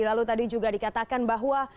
lalu tadi juga dikatakan bahwa